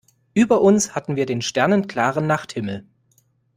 Über uns hatten wir den sternenklaren Nachthimmel.